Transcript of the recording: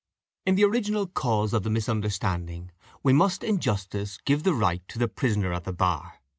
"In the original cause of the misunderstanding, we must in justice give the right to the prisoner at the bar.